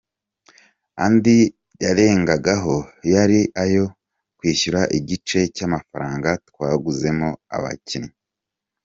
Andi yarengagaho yari ayo kwishyura igice cy’amafaranga twaguzemo abakinnyi.